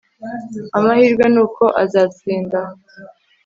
amahirwe nuko azatsinda